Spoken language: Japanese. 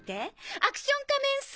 『アクション仮面ス』。